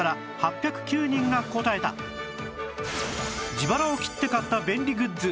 自腹を切って買った便利グッズ